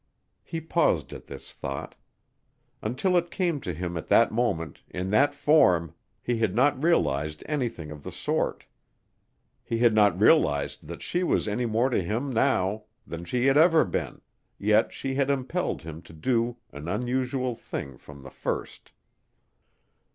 He paused at this thought. Until it came to him at that moment, in that form, he had not realized anything of the sort. He had not realized that she was any more to him now than she had ever been yet she had impelled him to do an unusual thing from the first.